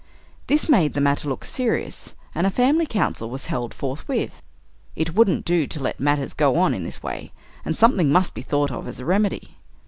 This made the matter look serious, and a family council was held forthwith. It wouldn't do to let matters go on in this way, and something must be thought of as a remedy.